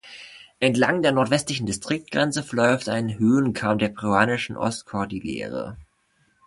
Entlang der nordwestlichen Distriktgrenze verläuft ein Höhenkamm der peruanischen Ostkordillere.